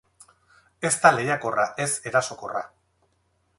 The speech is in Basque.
Ez da lehiakorra, ez erasokorra.